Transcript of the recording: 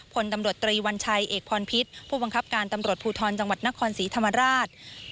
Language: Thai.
พลตำรวจตรีวัญชัยเอกพรพิษผู้บังคับการตำรวจภูทรจังหวัดนครศรีธรรมราช